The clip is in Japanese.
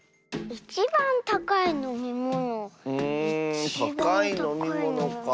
うんたかいのみものかあ。